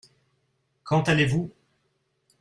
Quand allez-vous ?